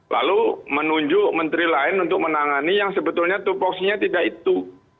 lalu menunjuk menteri lain untuk menangani yang sebetulnya tupoksinya tidak itu